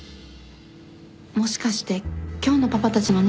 もしかして今日のパパたちの任務って。